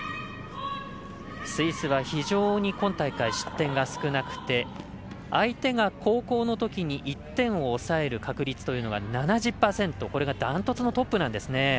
スイスは非常に今大会、失点が少なくて相手が後攻のときに１点を抑える確率というのが７０％、これがダントツのトップなんですね。